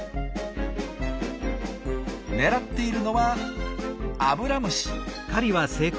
狙っているのはアブラムシ。